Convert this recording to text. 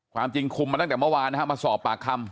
ความจริงคุมมาตั้งแต่เมื่อวานนะฮะมาสอบปากคำ